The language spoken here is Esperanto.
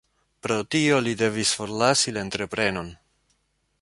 Pro tio li devis forlasi la entreprenon.